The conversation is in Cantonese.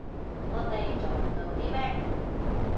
我哋做唔到啲咩